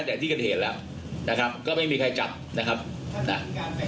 แต่ที่เกิดเหตุแล้วนะครับก็ไม่มีใครจับนะครับนะ